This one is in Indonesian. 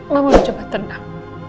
mama mau coba tenang